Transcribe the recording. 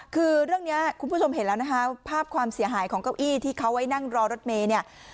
คือเรื่องนี้คุณผู้ชมเห็นแล้วนะคะภาพความเสียหายของเก้าอี้ที่เขาไว้นั่งรอรถเมย์เนี่ย